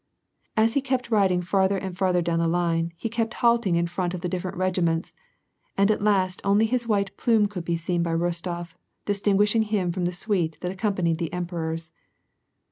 As he kept riding farther and farther down the line, he kept halting in front of the different regiments, and at last only his white plume could be seen by Rostof, distinguishing him from the suite that accompanied the emperors.